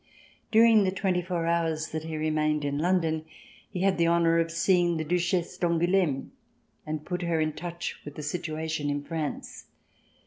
During the twenty four hours that he remained in London, he had the honor of seeing the Duchesse d'Angouleme and put her in touch with the situation in France.